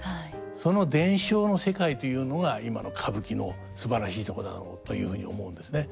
その伝承の世界というのが今の歌舞伎のすばらしいとこだろうというふうに思うんですね。